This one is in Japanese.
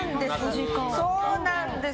そうなんです。